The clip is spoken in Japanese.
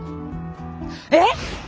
えっ！